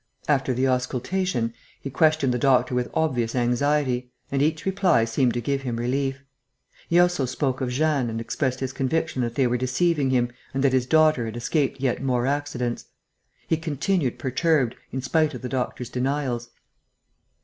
After the auscultation, he questioned the doctor with obvious anxiety; and each reply seemed to give him relief. He also spoke of Jeanne and expressed his conviction that they were deceiving him and that his daughter had escaped yet more accidents. He continued perturbed, in spite of the doctor's denials.